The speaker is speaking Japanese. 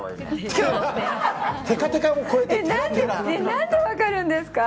何で分かるんですか。